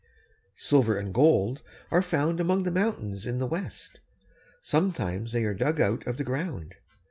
Silver and gold are found among the mountains in the west. Sometimes they are dug out of the ground.